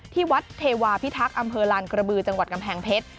ที่วัดเทวาพิทักษ์อำเภอลานกระบือจังหวัดกำแพงเพชร